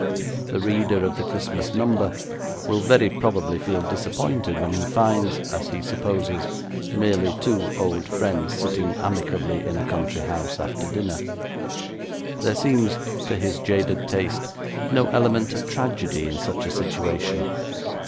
The reader of the Christmas number will very probably feel disappointed when he finds, as he supposes, merely two old friends sitting amicably in a country house after dinner. There seems, to his jaded taste, no element of tragedy in such a situation.